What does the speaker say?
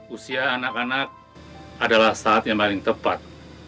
usia anak anak adalah saat yang paling tepat